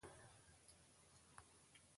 د تربوز پوستکی د څارویو خوراک دی.